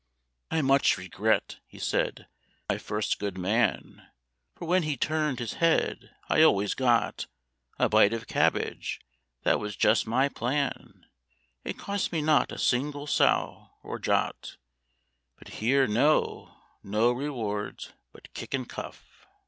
"I much regret," he said, "my first good man, For when he turned his head I always got A bite of cabbage; that was just my plan: It cost me not a single sous, or jot; But here no, no rewards but kick and cuff."